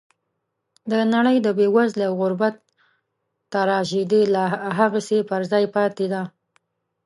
د نړۍ د بېوزلۍ او غربت تراژیدي لا هغسې پر ځای پاتې ده.